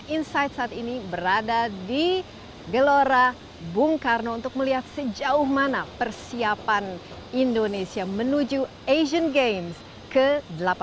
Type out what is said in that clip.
insight saat ini berada di gelora bung karno untuk melihat sejauh mana persiapan indonesia menuju asian games ke delapan belas